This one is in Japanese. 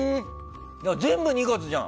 全部２月じゃん！